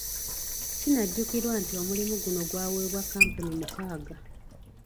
Kinajjukirwa nti omulimu guno gwaweebwa kkampuni mukaaga.